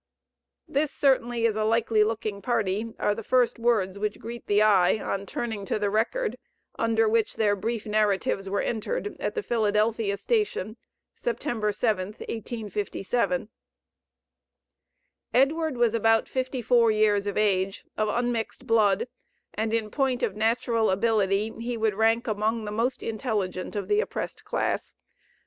"This certainly is a likely looking party," are the first words which greet the eye, on turning to the record, under which their brief narratives were entered at the Philadelphia station, September 7th, 1857. Edward was about forty four years of age, of unmixed blood, and in point of natural ability he would rank among the most intelligent of the oppressed class.